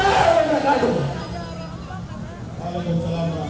assalamu alaikum warahmatullahi wabarakatuh